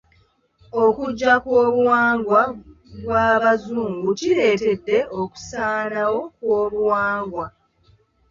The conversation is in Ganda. Okujja kw'obuwangwa bw'Abazungu kireetedde okusaanawo kw'obuwangwa.